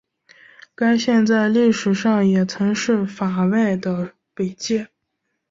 该线在历史上也曾是法外的北界。